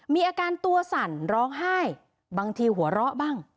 มีอาการตัวสั่นร้องไห้บางทีหัวเราะบ้าง